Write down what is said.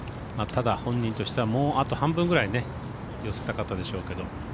ただ、本人としてはもうあと半分くらい寄せたかったでしょうけど。